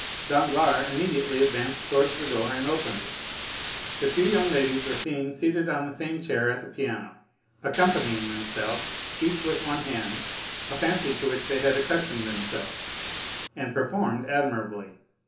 Danglars immediately advanced towards the door and opened it. 40050m The two young ladies were seen seated on the same chair, at the piano, accompanying themselves, each with one hand, a fancy to which they had accustomed themselves, and performed admirably.